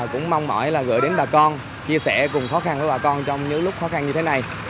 cũng mong mỏi là gửi đến bà con chia sẻ cùng khó khăn với bà con trong những lúc khó khăn như thế này